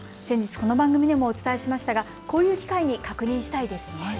先日、この番組でもお伝えしましたがこういう機会に確認したいですね。